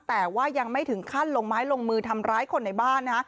แต่ว่ายังไม่ถึงขั้นลงไม้ลงมือทำร้ายคนในบ้าน